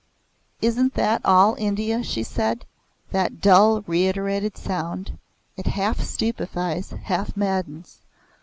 "Isn't that all India?" she said; "that dull reiterated sound? It half stupefies, half maddens.